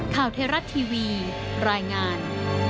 ข่าวเทราะทีวีรายงาน